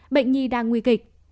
bệnh nhi đang nguy kịch